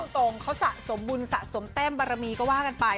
ตรงเขาสะสมบุญสะสมแต้มบารมีก็ว่ากันไป